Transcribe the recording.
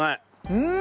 うん！